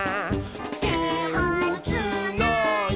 「てをつないで」